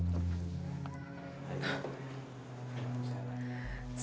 saya akan datang lagi kesini